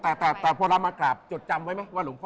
แต่แต่พอเรามากราบจดจำไว้ไหมว่าหลวงพ่อ